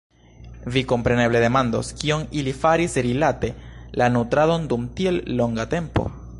Vi kompreneble demandos, kion ili faris rilate la nutradon dum tiel longa tempo?